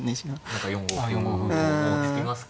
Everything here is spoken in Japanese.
何か４五歩を突きますか。